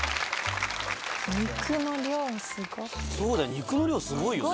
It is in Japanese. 肉の量すごいよね。